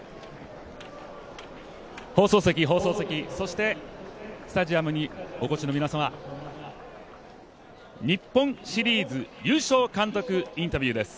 放送席、スタジアムにお越しの皆様、日本シリーズ優勝監督インタビューです。